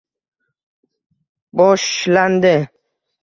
... Boshshshlandi